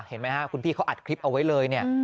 เห็นไหมฮะคุณพี่เขาอัดคลิปเอาไว้เลยเนี่ย